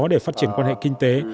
để phát triển quan hệ kinh tế